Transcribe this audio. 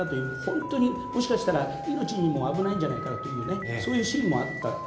本当に、もしかしたら命も危ないんじゃないかというそういうシーンもあった。